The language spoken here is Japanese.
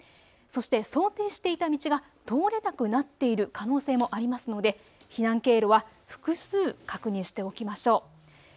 そして想定していた道が通れなくなっている可能性もありますので避難経路は複数確認しておきましょう。